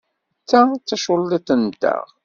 Ta d taculliḍt-nteɣ.